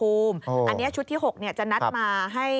อันนี้ชุดที่๖จะนัดมาให้